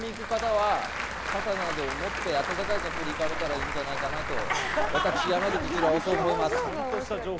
なので、お花見に行く方は傘などを持って暖かい格好で行かれたらいいんじゃないかなと、私、山口一郎はそう思います。